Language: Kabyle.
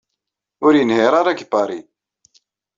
Ur yenhiṛ ara deg Paris.